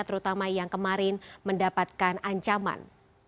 terutama yang kemarin mendapatkan ancaman